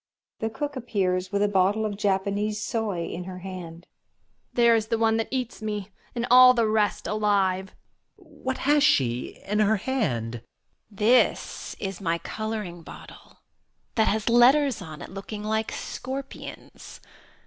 [Pause, The Cook appears with a hotUe of Japanese soy in her hand, YoxTNQ Lady. There is the one that eats me and aQ the rest alive. Student. What has she in her hand? Cook. This is my colouring bottle that has letters on it looking like scorpions.